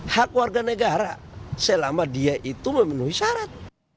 hak warga negara selama dia itu memenuhi syarat